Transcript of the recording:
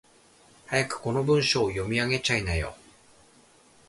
早くこの文章を読み上げちゃいなよ。